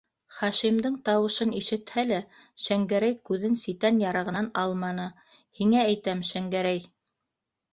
- Хашимдың тауышын ишетһә лә Шәңгәрәй күҙен ситән ярығынан алманы. - һиңә әйтәм, Шәңгәрәй!